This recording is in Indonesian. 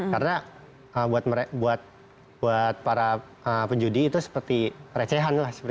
karena buat para penjudi itu seperti recehan lah